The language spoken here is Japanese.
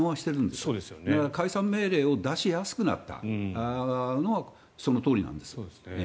だから、解散命令を出しやすくなったのはそのとおりなんです。